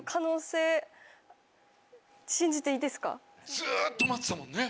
ずっと待ってたもんね。